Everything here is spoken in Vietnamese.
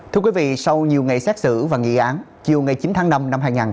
thưa quý vị sau nhiều ngày xét xử và nghị án chiều ngày chín tháng năm năm hai nghìn hai mươi ba